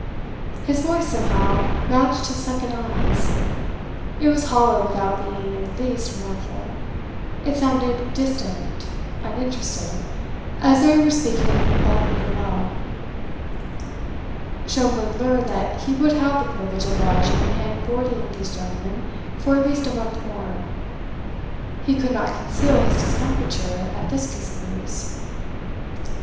His voice somehow matched his sunken eyes. It was hollow without being in the least mournful; it sounded distant, uninterested, as though he were speaking from the bottom of a well. Schomberg learned that he would have the privilege of lodging and boarding these gentlemen for at least a month more. He could not conceal his discomfiture at this piece of news.